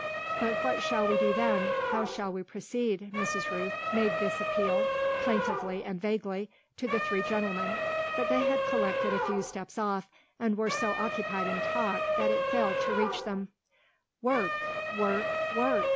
"But what shall we do then how shall we proceed?" Mrs. Rooth made this appeal, plaintively and vaguely, to the three gentlemen; but they had collected a few steps off and were so occupied in talk that it failed to reach them. "Work work work!"